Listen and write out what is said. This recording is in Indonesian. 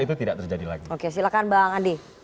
itu tidak terjadi lagi oke silahkan bang andi